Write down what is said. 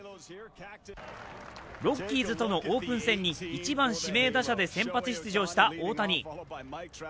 ロッキーズとのオープン戦に１番・指名打者で出場した大谷。